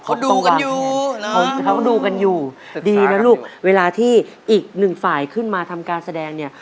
เขาดูกันอยู่เขาดูกันอยู่ดีนะลูกเวลาที่อีกหนึ่งฝ่ายขึ้นมาทำการแสดงเนี่ย